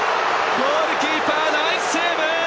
ゴールキーパーナイスセーブ！